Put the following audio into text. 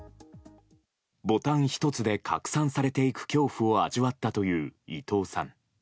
ボタン１つで拡散されていく恐怖を味わったという伊藤さん。